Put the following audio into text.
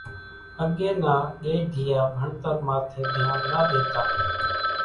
اڳيَ نا ڳئيڍيا ڀڻتر ماٿيَ ڌيانَ نا ۮيتا۔